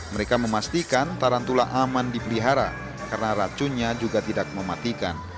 mereka memastikan tarantula aman dipelihara karena racunnya juga tidak mematikan